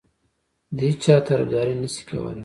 د هیچا طرفداري نه شي کولای.